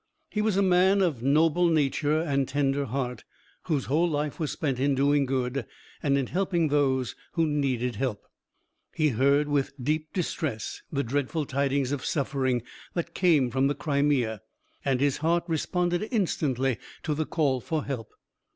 He was a man of noble nature and tender heart, whose whole life was spent in doing good, and in helping those who needed help. He heard with deep distress the dreadful tidings of suffering that came from the Crimea, and his heart responded instantly to the call for help.